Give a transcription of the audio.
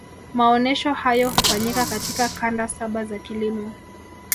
maonesho hayo hufanyika katika kanda saba za kilimo